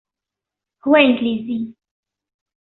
هو إنكليزي.